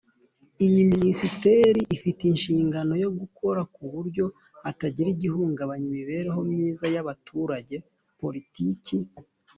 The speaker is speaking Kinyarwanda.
Iyi minisiteri ifite inshingano yo gukora ku buryo hatagira igihungabanya imibereho myiza y abaturage politiki